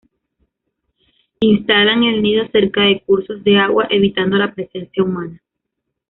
Instalan el nido cerca de cursos de agua, evitando la presencia humana.